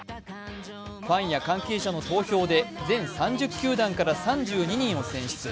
ファンや関係者の投票で全３０球団から３２人を選出。